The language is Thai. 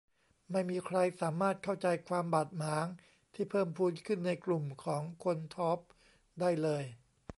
ไม่มีใครสามารถเข้าใจความบาดหมางที่เพิ่มพูนขึ้นในกลุ่มคนของธอร์ปได้เลย